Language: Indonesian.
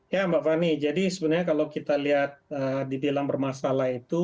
ya mbak fani jadi sebenarnya kalau kita lihat dibilang bermasalah itu